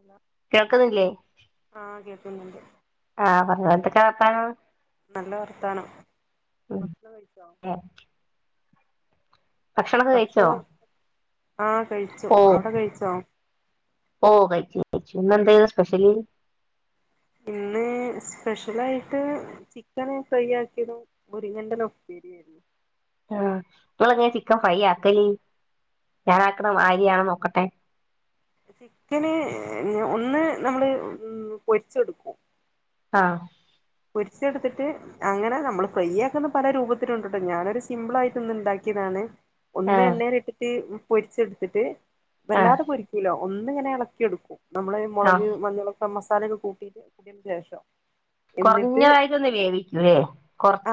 അല്ല കേൾക്കുന്നില്ലേ? ആഹ് എന്ത പർഞ്ഞൊ എന്തൊക്കാ വർത്താനം? നല്ല വർത്താനം. ഉം ഭക്ഷണം കഴിച്ചോ? ഏഹ് ഭക്ഷണൊക്കെ കഴിച്ചോ? ഭക്ഷണം ആഹ് കഴിച്ചു. അവിടെ കഴിച്ചോ? ഓഹ് കഴിച്ചു കഴിച്ചു. ഇന്നെന്തയ്നു സ്പെഷ്യല്? ഇന്ന് സ്പെഷ്യലായിട്ട് ചിക്കന് ഫ്രൈ ആക്കിയതും മുരിങ്ങന്റല ഉപ്പേരിയായിരുന്നു. ആഹ് ങ്ങളെങ്ങനെ ചിക്കൻ ഫ്രൈ ആക്കലി? ഞാനാക്കണ മാഇരിയാണൊ നോക്കട്ടെ. ചിക്കന് ഒന്ന് നമ്മള് ഉം പൊരിച്ചെടുക്കു ആഹ് പൊരിച്ചെടുത്തിട്ട് അങ്ങനെ നമ്മള് ഫ്രൈ ആക്കുന്ന പല രൂപത്തിലുണ്ട്ട്ടോ ഞാനൊരു സിമ്പിളായിട്ട്ന്ന് ണ്ടാക്കിയതാണ് ഒന്ന് ആഹ് എണ്ണേലിട്ടിട്ട് പൊരിച്ചെടുത്തിട്ട് ആഹ് വല്ലാതെ പൊരി ക്കൂല ഒന്ന്ങ്ങനെ എളക്ക്യെ ടുക്കും നമ്മള് ആഹ് മൊളക് മഞ്ഞളൊക്ക മസാലയൊക്കെ കൂട്ടിട്ട് [inaudible] ശേഷം. എന്നിട്ട് കൊറഞ്ഞതായിട്ടൊന്ന് വേവിക്കൂല്ലേ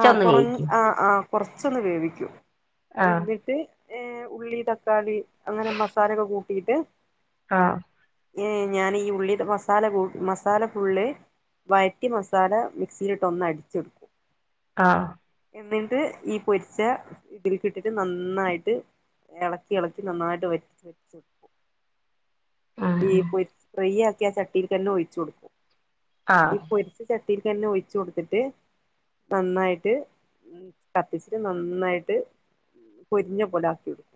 ആഹ് കൊറഞ് വേവിക്കും ആഹ് ആഹ് കൊറച്ചൊന്ന് വേവിക്കും ആഹ് എന്നിട്ട് ഏഹ് ഉള്ളി തക്കാളി അങ്ങനെ മസാലൊക്കെ കൂട്ടിട്ട് ആഹ് ഏഹ് ഞാനീ ഉള്ളി ത് മസാല കു മസാല ഫുള്ള് വയറ്റി മസ് സാല മിക്സിയിലിട്ടൊന്നടിച്ചെട്‌ക്കു ആഹ് എന്നിട്ട് ഈ പൊരിച്ച ഇഡ്ഡ്ലിക്ക്ട്ട്ട്ട് നന്നായിട്ട് എളക്കി എളക്കി നന്നായിട്ട് വറ്റിച്ച് വറ്റിച്ച് വെ ഉം ഈ ഉം പൊര് ഫ്രെയ് ആക്കിയ ആ ചട്ടിൽക്കെന്നെ ഒഴിച്ചു കൊടുക്കും ആഹ് ഈ പൊരി ച്ച ചട്ടിൽക്കെന്നെ ഒഴിച്ചു കൊടുത്തിട്ട് നന്നായിട്ട് ഉം കത്തിച്ചിട്ട് നന്നായിട്ട് പൊരിഞ്ഞ പോല ആക്കി ഇട്ക്കും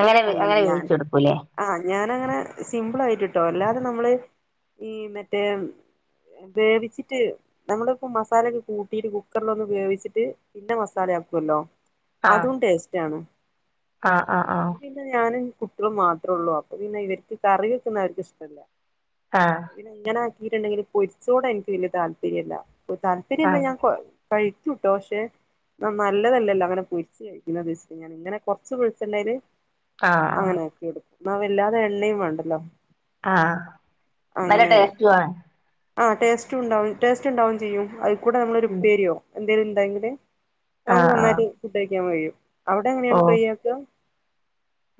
അങ്ങനെത് അങ്ങനെ വേവിച്ചെടുക്കൂല്ലേ ആഹ് ഞാനങ്ങനെ സിമ്പ്ളായിട്ട് ട്ടോ അല്ലാതെ നമ്മള് ഈ മറ്റേ വേവിച്ചിട്ട് നമ്മള്പ്പൊ മസാലൊക്കെ കൂട്ടിട്ട് കുക്കർലൊന്ന് വേവിച്ച്ട്ട് പിന്നെ മസാല ആക്കുവല്ലോ ആഹ് അതും ടേസ്റ്റ് ആണ് ആഹ് ആഹ് ഇൻക്ക് പിന്നെ ഞാനും കുട്ട്യേളും മാത്രം ഒള്ളൂ അപ്പ പിന്നെ ഇവരിക്ക് കറി വെക്കുന്ന ആരിക്കു ഇഷ്ടല്ല ആഹ് പിന്നെ ഇങ്ങനെ ആക്കിട്ട്ണ്ടെങ്കില് പൊരിച്ചോട് എനിക്ക് വല്യ താല്പര്യല്ല താല്പര്യല്ല ആഹ് ഞാൻ കൊ കഴിക്കുട്ടോ പക്ഷെ ന്ന നല്ലതല്ലല്ലോ അങ്ങനെ പൊരിച്ച് കഴിക്കുന്നത്ച്ച്ട്ട് ഞാന് ഇങ്ങനെ കൊർച്ച് വെളിച്ചെണ്ണേല് ആഹ് ആഹ് അങ്ങനെ ആക്കി എടുക്കും ന്നാ വല്ലാതെ എണ്ണി വാണ്ടല്ലോ ആഹ് നല്ല ടേസ്റ്റു ആണ് ആഹ് ടേസ്റ്റ് ഉണ്ടാവും ടേസ്റ്റ് ഇണ്ടാവും ചെയ്യും അയ്ക്കൂടെ നമ്മളൊരു ഉം ഉപ്പേരിയോ എന്തേലും ഇണ്ടെങ്കില് നമുക്ക് ആഹ് ആഹ് നന്നായിട്ട് ഫുഡ് കഴിക്കാൻ കഴിയും അവിടെ എങ്ങനെയാണ് ഫ്രൈ ആക്കാ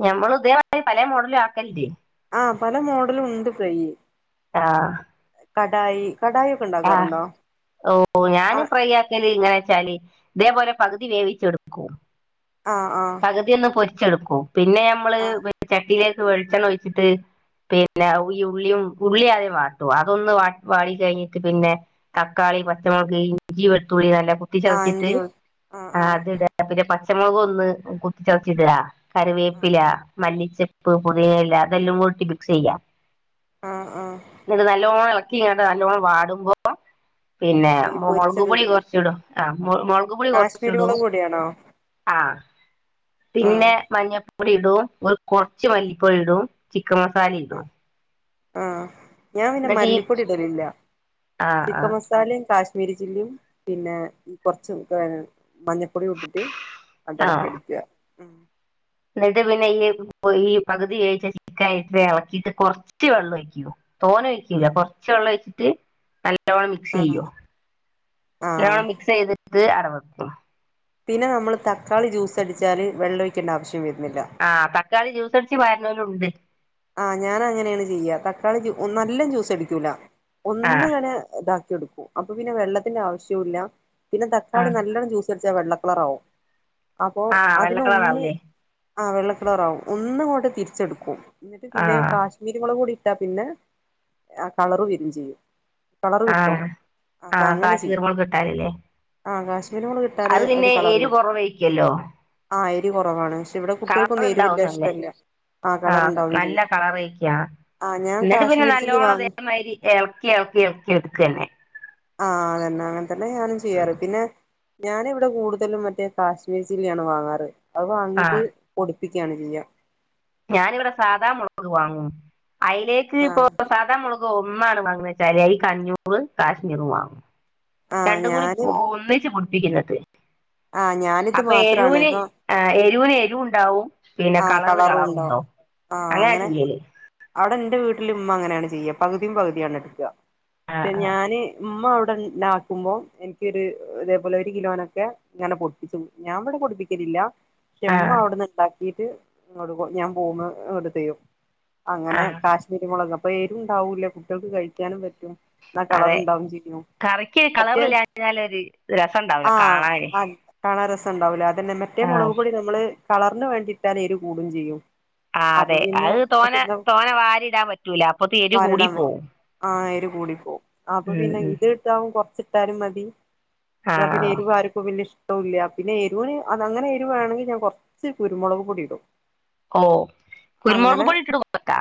ഞമ്മളു ഇതെമാതിരി പലേ മോഡൽലും ആക്കല്ണ്ട് ആഹ് പല മോഡലും ഉണ്ട് ഫ്രൈയില് ആഹ് കടായി കടായി ഒ ആഹ് ഓ ഞാന് ഫ്രൈയാ ക്കല് ഇങ്ങനെ വെച്ചാല് ഇതേപോലെ പകുതി വേവിച്ചെടുക്കും ആഹ് ആഹ് ആദ്യൊന്ന് പൊരിച്ചെടുക്കും പിന്നെ ഞമ്മള് ആഹ് പി ചട്ടീലേക്ക് വെളിച്ചെണ്ണ ഒഴിച്ചിട്ട് പിന്നെ ഈ ഉള്ളിയും ഉള്ളിആദ്യം വാട്ടും അതൊന്ന് വാ വാടി കെഴ്ഞ്ഞ്ട്ട് പിന്നെ തക്കാളി, പച്ചമുളക്, ഇഞ്ചി, വെളതുള്ളി നല്ല കുത്തി ചതച്ചിട്ട് ആഹ് അത് ഇടാ ന്നാ പിന്നെ പച്ചമുളക് ഒന്ന് കുത്തി ചതച്ചിടാ ആഹ് കറിവേപ്പിലാ, മല്ലിച്ചെപ് പ്പ് പുതിന ഇല ഇ തെല്ലാം കൂടി ഇട്ട് മിക്സ് ചെയ്യാ ആഹ് ആഹ് ന്നട്ട് ഇത് നല്ലോണം എളക്കിങ്ങാണ്ട് നല്ലോണം വാടുമ്പോ പിന്നെ ഈ മൊ പൊരിച്ചത് മൊളക്പൊളി ഇടില്ലേ കൊർച്ചിടും ആഹ് മൊ മൊളക്പൊടി കൊർച്ച് കാശ്മീരി ഇടും മുളക് പൊടിയാണോ ആഹ് പിന്നെ ആഹ് മഞ്ഞപ്പൊടി ഇടും ഒരു കൊർച്ച് മല്ലിപ്പൊടി ഇടും ചിക്കം മസാലി ആഹ് ഇടും ആഹ് ഞാൻ പിന്നെ എന്നിട്ട് ഈ മല്ലിപ്പൊടി ഇടല് ഇല്ല ആ ആ ചിക്കൻ മസാലും കാശ്മീ ശ്മീരി ചില്ലിം പിന്നെ കൊർച്ചു മഞ്ഞപ്പൊടിയു ഇട്ട്ട്ട് ആണ്ട് എളക്കി എട്ക്കാ ഉം ന്നട്ട് പിന്നെ അയ്ല് പൊ ഈ പക് തി വേവിച്ച ചിക്കന് അയ്ല്ട്ട് എളക്കീട്ട് കൊറച്ച് വെള്ളം ഒഴിക്ക്‌യു തോനെ ഒയിക്കൂല്ല കൊർച്ചെ വെള്ളം ഒഴ്ച്ച്ട്ട് നല്ലോണം മിക്സ് ചെയ്യും ആഹ് ആഹ് നല്ലോണം മിക്സ് ചെയ്തിട്ട് ആട വെക്കും പിന്നെ നമ്മള് തക്കാളി ജ്യൂസ് അടിച്ചാല് വെള്ളം ഒഴിക്കേണ്ട ആവശ്യം വെര്ന്ല്ല ആഹ് തക്കാളി ജ്യൂസ് അടിച്ച് പാര്നോലുണ്ട് ആഹ് ഞാൻ അങ്ങനേണ് ചെയ്യ തക്കാളി ജ്യൂ ഒന്ന് നല്ലം ജ്യൂസ് അടിക്കൂല ആ ഒന്ന് ഇങ്ങനെ താ ടുക്കു അപ്പ പിന്നെ വെള്ളത്തിന്റെ ആവശ്യോല്ല പിന്നെ ആ തക്കാളി നല്ലണം ജൂസ് ച വെള്ളക്കളറാവും അപോ ആ വെള്ള അതിലൊന്ന് കളറാവൂലേ ആഹ് വെള്ളകളറാവും ഒന്ന് പോയിട്ട് തിരിച്ചിട്ക്കും ന്ന്ട്ട് ആ പിന്നെ കാഷ് കരുമുളകൂടി ഇട്ടാ പിന്നെ കളർ വരും ചെയ്യും കളറ് ആ കിട്ടും ആ അപ്പൊ അങ്ങനെ ചെയ് കാശ്മീർ മുളക് ഇട്ടാലല്ലേ ആഹ് കാശ്മീരി മൊളകിട്ടാല് അത് ഒരു പിന്നെ കളറ് എരിവ് കിട്ടു കുറവയ്ക്കല്ലോ ആഹ് എരി കുറവാണ് ഇവിടെ കളർ കുട്ടികൾക്കൊന്നും എരിവ് വല്യ ഉണ്ടാവുന്നല്ലേ ഇഷ്ടല്ല ആഹ് ആ കളർണ്ട് നല്ല കളർ ഒഴിക്കുക ആഹ് ഞാൻ കാശ്മീരി ചില്ലിവാങ്ങി ഇമ്മാരി എളക്കി എളക്കി എളക്കി ഇഡ്ക്കന്നേ ആഹ് അതന്നെ അങ്ങനത്തന്നെ ഞാനും ഉം. ചെയ്യാറ് പിന്നെ ഞാനിവിടെ കൂടുതലും മറ്റേ കാശ്മീർ ചില്ലിയാണ് വാങ്ങാറ് അത് ആ വാങ്ങീട്ട് പൊടിപ്പിക്കാണ് ചെയ്യാ ഞാനിവിടെ സാദാ മുളക് വാങ്ങും അയ്ലേക്ക് ഇപ്പൊ ആഹ് സദാമുളക് ഒന്നാണ് വാങ്ങുന്നത് വെച്ചാല് ഈ അതിക്ക് അഞ്ഞൂർ കാശ്മീറും വാങ്ങും പ ആഹ് രണ്ടും കൂടി ഞാനും ഒന്നിച്ച് പടിപ്പിക്കുന്നത് ആഹ് ഞാനിത് അപ്പൊ മാത്രാണ് എരൂന് ഇപ്പൊ ആഹ് എരുന് എരുണ്ടാവും പിന്നെ ആഹ് കളറിന് കളറും ഉണ്ടാവും കളറുംണ്ടാവും അങ്ങനെ ചെയ്യല് അവിടെ എന്റെ വീട്ടില് ഇമ്മ അങ്ങനെയാണ് ചെയ്യ പകുതിയും പകുതിയാണ് എടുക്ക ആ പക്ഷെ ആ ഞാന് ഉമ്മ അവിടെ ഉണ്ടാക്കുമ്പോ എനിക്കൊരു ഇതേപോലെ ഒരു കിലോനൊക്കെ ഇങ്ങനെ പൊട്ടിച്ചു ഞാൻ ഇവിടെ പൊടിപ്പിക്കലില്ല ആ ക്ഷമ്മ അവിടുന്ന് ഉണ്ടാക്കീട്ട് ഞാൻ പോന്ന് ഇങ്ങട്ട് തരും അങ്ങനെ ആ കാഷ രുമുളക് അപ്പൊ എരുണ്ടാവൂല കുട്ടികൾക്ക് കഴിക്കാനും പറ്റും എന്ന അതെ കളർണ്ടാവും ചെയോ കറിക്ക് മറ്റേ കളറില്ലാഞ്ഞാൽ ഒരു രസം ഉണ്ടാവൂല ആഹ് കാണാന് ആഹ് കാണാ രസംണ്ടാവില്ല അതന്നെ മറ്റേ മുളക് ആഹ് പൊടി നമ്മള് കളറിന് വേണ്ടിയിട്ടാല എര് കൂടും ചെയ്യും ആഹ് അപ്പൊ അതെ പിന്നെ അത് തോന തോന വാരിടാൻ പറ്റൂല അപ്പൊ തേരു കൂടി വാരിടാൻ പറ്റും പോവും ആഹ് എരു കൂടി പോകും അപ്പൊ ഉം പിന്നെ ഉം ഇത് ഇ കുറച്ചിട്ടാലും മതി എന്നാ പിന്നെ ആഹ് എരു ആർക്കും വല്ല്യ ഇഷ് ഇല്ല പിന്നെ എരിവിന് അത് അങ്ങനെ എരുവയാണെങ്കിൽ ഞാൻ കുറച്ച് കുരുമുളക് പൊടി ഇടും ഓഹ് കുരുമുളക് അങ്ങനെ പൊടി ഇട്ടിട്ട പോട്ടാ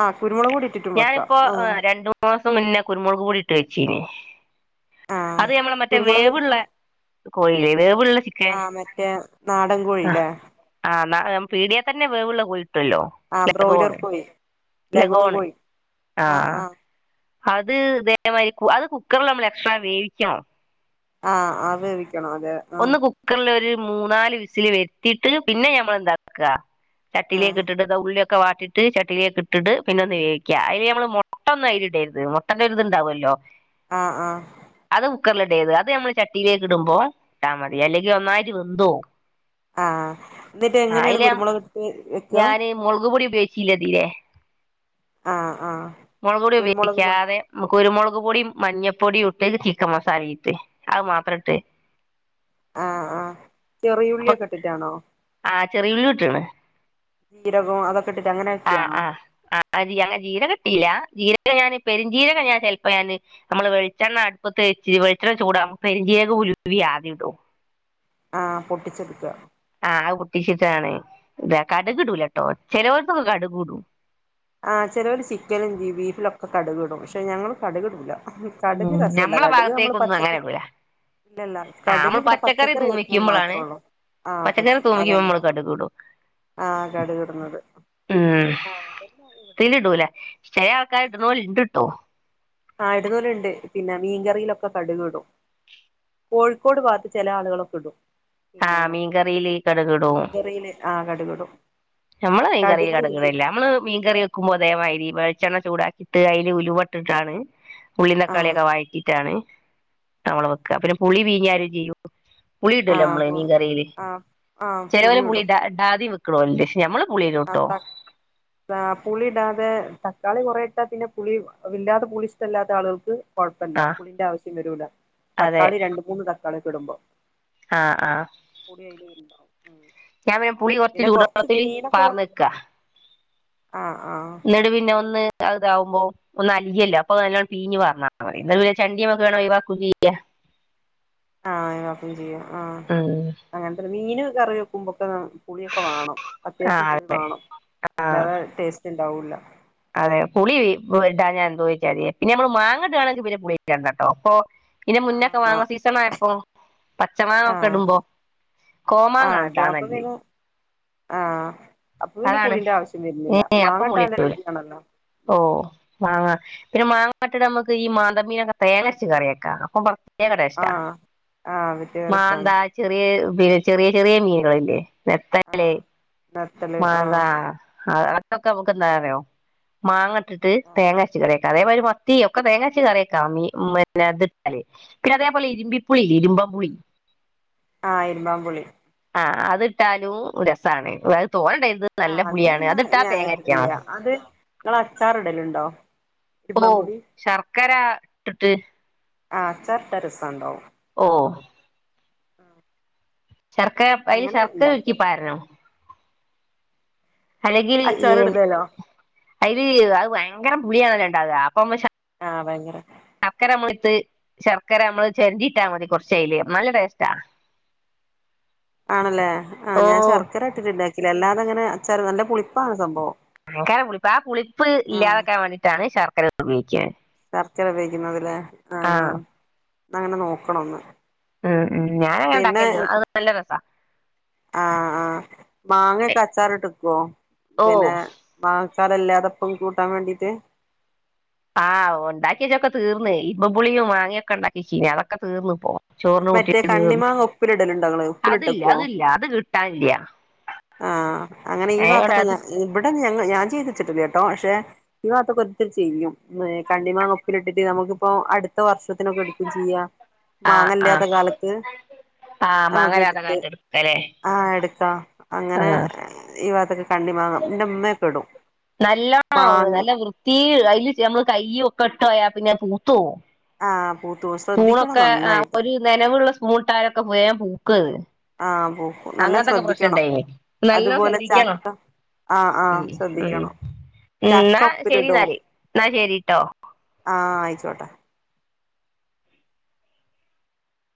ആഹ് കുരുമുളക് കൂടി ഇട്ടിട്ടും വെക്കാം ആഹ് മാസം പിന്നെ കുരുമുളക് പൂടി ഇട്ട് വെച്ചീന് ആഹ് അത് ഞമ്മളെ മറ്റേ കുരുമുളക് വേവുള്ള കോഴില്ലേ വേവിള്ള ചിക്കൻ ആഹ് മറ്റേ നാടൻ കോഴിയില്ലേ ആഹ് ആഹ് പീടിയ തന്നെ വേവള്ള കൊയിട്ടല്ലോ ആഹ് ബ്രോയിലർ ലഗോണ് കോഴി ലഗോൺ ലഗോണ് കോഴി ആഹ് ആഹ് അത് ഇതേ മയിരി അത് കുക്കറിൽ നമ്മൾ എക്സ്ട്രാ വേവിക്കണം ആഹ് വേവിക്കണം അതെ ആഹ് ഒന്ന് കുക്കറൽ ഒരു മൂന്നാല് വിസില് വരുത്തിയിട്ട് പിന്നെ ഞമ്മൾ എന്താ ക്കാ ആഹ് ചട്ടിലേക്ക് ഇട്ട്ത് ഉള്ളിയൊക്കെ വാട്ടിട്ട് ഇട്ട് ചട്ടിലേക്ക് ഇട്ട്ട്ട് പിന്ന ഒന്ന് വേവിക്ക അയ്ല് നമ്മള് മുട്ട ഒന്നും അയിരി ഇടരുത് മുട്ടന്റെ ഒരിത് ഇണ്ടാവുല്ലോ ആഹ് ആഹ് അത് കുക്കറിലുടേത് അത് നമ്മള് ചട്ടിലേക്ക് ഇടുമ്പോ കട്ടാ മതി അല്ലെങ്കിൽ ഒന്നായിട്ട് വെന്തോവും ആഹ് എന്നിട്ട് എങ്ങനെയാണ് കുരുമുളക് എടുത്ത് വെക്കോ മുളക്പൊടി ഉപയോഗിച്ചില്ലതില്ലേ ആഹ് ആഹ് മുളക്പൊടി കുരുമുളക് മ ഉപയോഗിക്കാതെ നമുക്ക് കുരുമുളക് പൊടിയും മഞ്ഞപ്പൊടിയും ഇട്ട് ചിക്കൻ മസാല ഇട്ട് അത് മാത്രം ഇട്ട് ആഹ് ആഹ് അപ്പൊ ചെറിയുള്ളിയൊക്കെ ഇട്ടിട്ടാണോ ആ ചെറിയുള്ളിട്ട്ണ്. ജീരകവും അതോക്കെ ഇട്ടിട്ട് അങ്ങനെ ചെയണോ. അതെ അങ്ങനെ ജീരകം ഇട്ടീല്ല ജീരകം ഞാന് പെരുംജീരകം ഞാൻ ചെൽപ്പോ ഞാന്. നമ്മള് വെളിച്ചെണ്ണ അടുപ്പത്ത് വെച്ച് വെളിച്ചെണ്ണ ചൂടാവുമ്പോ പെരുംജീരകോം ഉലുവേം ആദ്യം ഇടും. ആ പൊട്ടിച്ചെടുക്ക. ആഹ് പൊട്ടിച്ചിട്ടാണ് ഇ കടക് ഇടൂലട്ടോ ചിലവർത്തൊക്കെ കടക് ഇടും. ആഹ്, ചെലോര് ചിക്കനും വി ബീഫിലൊക്കെ കടുകിടും, ക്ഷെ ഞങ്ങള് കടുകിടൂല. കട്ക് ഉം രസല്ല, നമ്മളെ കട്ക് നമ്മള് ഭാഗത്തേക്കൊന്നും പച്ചക്ക അങ്ങനെ ഇടൂല ല്ലല്ല ആ കട്ക് നമ്മൾ ഇവടെ പച്ചക്കറി വെക്കുമ്പോ തൂമിക്കുമ്പോഴാണ് മാത്രേള്ളൂ. പച്ചക്കറി തൂമിക്കുമ്പോമ്മള് കടുകിടും. ആഹ്, കട്കിട്ന്നത്. ഉം തിലിടൂല, ചെലയ് ആൾക്കാര്ട്ണോല്ണ്ട്ട്ടോ. ആ ഇട്ണോല്ണ്ട്. പിന്നെ, മീൻകറീലൊക്കെ കട്കിടും. കോഴിക്കോട് ഭാത്ത് ചെല ആളുകളൊക്കടും. ആ പിന്നെ, മീൻകറിയില് കടുക് ഇടും മീൻകറീല് ആ കട്കുടും. ഞമ്മള് മീൻകറീലട്കിടലില്ല. മ്മള് മീൻകറി. ക്കുമ്പൊതേമാരി, വെഴ്ച്ചെണ്ണ ചൂടാക്കിട്ട്, അയ്ല് ഉലുവട്ട്ട്ടാണ്, ഉള്ളീം ആ തക്കാളിയൊക്കെ വയ്റ്റി. റ്റാണ് നമ്മള് വെക്ക. പിന്നെ, പുളി പീഞ്ഞാരും ചെയ്യും. ആ പുളിടല്ലൊമ്മള് അപ്പൊ മീൻകറീല്, ആ ആ ചെലോല് പുളിയിടും പുളിടാ ഡാധിം വെക്ക്‌ണോല്ണ്ട് ക്ഷെ ഞമ്മള് പു ആപ ടാ, പുളിടാതെ തക്കാളി കൊറെട്ടാ പിന്നെ, പുളി, ല്ലാതെ പുളിഷ്ടല്ലാത്ത ആളുകൾക്ക്. കൊഴപ്പല്ല, ആഹ് പുളിന്റാവശ്യം വരൂല, അതെ തക്കാളി രണ്ട്മൂന്ന് തക്കാളിയൊക്കെടുമ്പോ. ആഹ്, ആഹ്! ഉം ഞാ പിന്നെ പുളി കൊർച്ച് പിന്നെ കൊറച്ച് ചുടുവെള്ളത്തില് പാർന്ന്ക്ക- ആഹ്, ആഹ്! ന്ന്ട്, പിന്നെ, ഒന്ന് അഹ്താവുമ്പോ! ഒന്നലിയല്ലൊ, അപ്പഅഹ്നല്ലൊ പീഞ്ഞ് പാർന്നാമതി, ന്നാ പിന്നെ ചണ്ടിമ്മക്കങ്ങട്ട് ഒയിവാക്കും ചെയ്യ. ആഹ് ഒയിവാക്കും ചെയ്യാ, ആഹ്. ഉം അങ്ങനത്തന്നെ, മീന് കറി വെക്കുമ്പൊക്കെ പുളിയൊക്കെ വാണം. അത്യാവശ്യം ആഹ് പുളി വാണം, അല്ലാതെ ടേസ്റ്റുണ്ടാവൂല. അതെ, പുളി ഇടാഞ്ഞാ എന്തോരുജാതിയ പിന്നെ ഞമ്മള് മാങ്ങടാണെങ്കി പിന്നെ പുളി ഇടണ്ടട്ടോ. പൊ ഇയിനെ മുന്നൊക്കെ മാ മാങ്ങ സീസ ണായപ്പോ. ആഹ് പച്ചമാങ്ങക്കെടുമ്പോ, ആഹ് അപ്പ അപ്പൊ കോമാങ്ങെടാനല്ലെ. പിന്നെ ആഹ്, അപ്പൊപിന്നെ അതാണ് പുളിന്റെ ആവശ്യം വര്ന്നില്ല മാങ്ങട്ടാലല്ല രുചിയാണല്ലോ. ഉം ഓഹ് മാങ്ങ, പിന്നെ മാങ്ങാട്ട്ട് മ്മക്ക് ഈ മാന്തമീനൊക്കെ തേങ്ങര്ച്ച് കറിയെക്കാ. ഏകദേഷ്ടാ ആഹ് ആഹ് മറ്റേ രസാണ് മാന്താ ചെറിയേ പിന്നെ, ചെറിയ, ചെറിയ മീന്കള്കല്ലേ വെത്തല്. ആഹ് നത്തല് വാന്ത ആഹ് അ ക്കെമ്മക്കെന്താറിയോ? മാങ്ങട്ടിട്ട് ആഹ് തേങ്ങര്ച്ച് കറിയെക്ക അതേമാരി പൊ തീ ഒക്കെ തേങ്ങച്ച് കറിയെക്കാം മീ മെ ന്നെ ഇതിട്ടാലേ! പിന്നെ, അതേപോലെ ഇരുമ്പിപ്പുളില്ലേ ഇരുമ്പംപുളി. ആഹ് ഇരുമ്പംപുളി. ആഹ് അത്ട്ടാലും രസാണ്. അത് തോനടര്ത്. ആ അത് ന്നെ ഞാട്ടിട്ടില്ല. അത് ങ്ങള് അച്ചാറ്ടലുണ്ടോ? ഓ ശർക്കര ട്ടിട്ട്. ആഹ്, അച്ചാറ്ട്ടാ രസണ്ടാവും. ഓഹ് ആഹ് ശർക്കര അയ്ല് ശർക്കരരുക്കിപ്പാരണോ? അല്ലെങ്കിൽ, ഹ് അച്ചാറ് ഇടുന്നേലോ അയ്ല് അഹ് ഭയങ്കര പുളിയാണല്ലൊണ്ടാകാ അപ്പൊമ്മ ശ ആഹ് ഭയങ്കര അക്കരമ്മത്ത്, ശർക്കരമ്മള് ചെരന്റിട്ടാ മതി കുറച്ചയ്ല് നല്ല ടേസ്റ്റാ. [inaudible] ആണല്ലേ ആഹ് ഓ ഞാൻ ശർക്കരട്ടിട്ട് ഇണ്ടാക്കില്ല. അല്ലാതെങ്ങനെ, അച്ചാറ് നല്ല പുളിപ്പാണ് സംഭവം. ഭയങ്കര പുളിപ്പാ, ആ പുളിപ്പ് ആഹ് ഇല്ലാതാക്കാൻ വേണ്ടിയിട്ടാണ് ശർക്കരട്ട്പയോഗിക്കുന്നത്. ശർക്കര ഉപയോഗിക്കുന്നതില്ലേ, ആഹ് ആഹ് ന്നാ അങ്ങനെ നോക്കണം ന്ന് ഉം ഉം ഞാനങ്ങനെ ഉണ്ടാക്കല് അത് നല്ല രസ ആഹ് ആഹ് മാങ്ങൊക്കെ അച്ചാർ ഇട്ട് വെക്കുവോ ഓ പിന്നെ മാങ്ങാഅച്ചാർ എല്ലാതെപ്പം കൂട്ടാൻ വേണ്ടീട്ട് ആഹ് ഉണ്ടാക്കിയേച്ചതക്കെ തീർന്ന് ഇലിമ്പൻ പുളിയും മാങ്ങയൊക്കെ ഉണ്ടാക്കിവെച്ചീനി അതൊക്ക തീർന്ന് ഇപ്പൊ ചോറിന് കൂട്ടി മറ്റേ തീർന്ന് കണ്ണിമാങ്ങ ഉപ്പിലിടലുണ്ടോ ഇങ്ങള് അതില്ല ഉപ്പിലിട്ടക്കുവോ അതില്ല അത് കിട്ടാനില്ല ആഹ് അങ്ങനെ ഈ ഞങ്ങടെ ഭാത്തൊക്കെ അത് ഞ ഇവിടെ ഞ ഞാൻ ചെയ്തിച്ചിട്ടിട്ടില്ല കേട്ടോ പക്ഷെ ഈ ഭാഗത്തൊക്കെ ഓരോരുത്തര് ചെയ്യും ഏ കണ്ണിമാങ്ങ ഉപ്പിലിട്ടിട്ട് നമുക്കിപ്പ അടു ത്ത വർഷത്തിനൊക്കെ എടുക്കും ചെയ്യാ ആഹ് മാങ്ങല്ലാത്ത ആഹ് കാലത്ത് ആഹ് നമുക്ക് മാങ്ങലാത്ത എടുത്ത് കാലത്ത് എടുക്കല്ലേ ആഹ് എടുക്കാ അങ്ങനെ ആഹ് ഈ ഭാഗത്തൊക്കെ കണ്ണി മാങ്ങാ ഇന്റുമ്മയൊക്കെടും നല്ല നല്ല വൃത്തി അതില് നമ്മള് കൈയും ഒക്കെ ഇട്ടോയാ പിന്നെ പൂത്ത് പോകും ആഹ് പൂത്തൂപോകും ശ്രദ്ധിക്കണം നന്നായിട്ട് ഒരു നനവുള്ള സ്പൂണട്ടാരൊക്കെ വേഗം പൂക്കത് ആഹ് പൂക്കും നല്ല അങ്ങനത്തൊക്കെ ശ്രദ്ധിക്കണം പ്രശ്നംണ്ടായിന് നല്ല അതുപോലെ ശ്രദ്ധിക്കണം ചക്ക ആഹ് ആഹ് ഉം ശ്രദ്ധിക്കണം ചക്ക എന്നാ ശരി ഉപ്പിലിടും എന്നാല് എന്നാ ശരിട്ടോ ആഹ് അയിച്ചോട്ടെ